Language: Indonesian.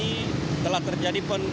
dan ini telah terjadi pun